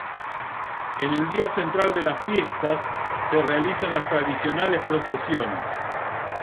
En el día central de las fiestas se realizan las tradicionales procesiones.